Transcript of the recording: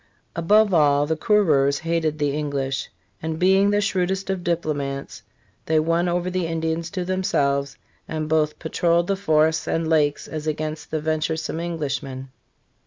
Above all, the conreurs hated the English; and being the shrewdest of diplomats they won over the Indians to themselves, and both pa trolled the forests and lakes as against the venturesome Englishmen.